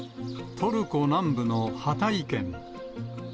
トルコ南部のハタイ県。